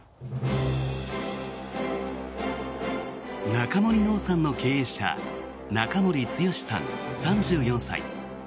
中森農産の経営者中森剛志さん、３４歳。